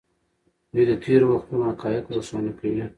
دوی د تېرو وختونو حقایق روښانه کوي.